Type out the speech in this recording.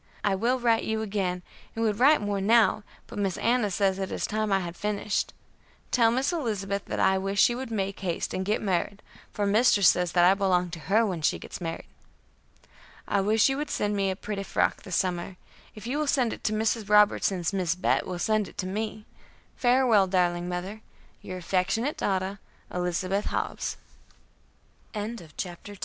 I will write you again, and would write more now, but Miss Anna says it is time I had finished. Tell Miss Elizabeth that I wish she would make haste and get married, for mistress says that I belong to her when she gets married. "I wish you would send me a pretty frock this summer; if you will send it to Mrs. Robertson's Miss Bet will send it to me. "Farewell, darling mother. "Your affectionate daughter, "ELIZABETH HOBBS." [Footnote A: March, 1868.